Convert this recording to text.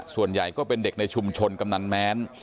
ส่วนใหญ่ก็เป็นเด็กในชุมชนกำนันแม้น